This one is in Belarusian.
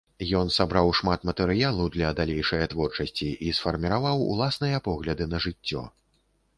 Ён сабраў шмат матэрыялу для далейшае творчасці і сфарміраваў уласныя погляды на жыццё.